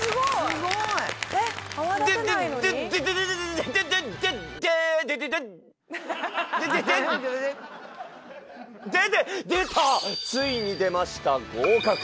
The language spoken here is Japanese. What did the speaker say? すごい！ついに出ました合格！